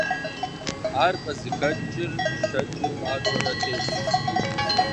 Ар къызыхэкӀыр щэкӀыр пӀащӀэрэ тежу щытмэщ.